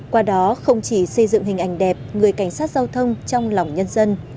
qua đó không chỉ xây dựng hình ảnh đẹp người cảnh sát giao thông trong lòng nhân dân